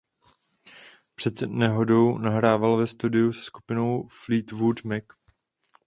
Před nehodou nahrával v studiu se skupinou Fleetwood Mac.